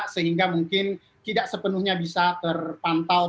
sehingga mungkin tidak sepenuhnya bisa terpantau